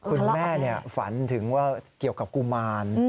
คุณแม่ฝันถึงว่าเกี่ยวกับกุมาร